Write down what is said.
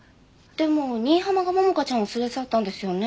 でも新浜が桃香ちゃんを連れ去ったんですよね？